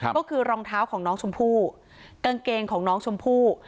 ก็คือรองเท้าของน้องชมพู่กางเกงของน้องชมพู่